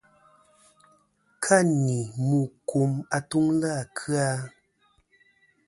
Ka ni mu kum atuŋlɨ à kɨ-a.